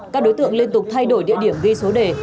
các đối tượng liên tục thay đổi địa điểm ghi số đề